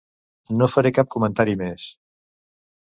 No faré cap comentari més.